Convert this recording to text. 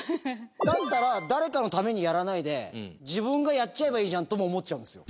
だったら誰かのためにやらないで自分がやっちゃえばいいじゃんとも思っちゃうんですよ。